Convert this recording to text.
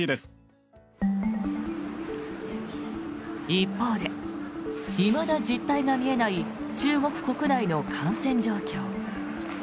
一方で、いまだ実態が見えない中国国内の感染状況。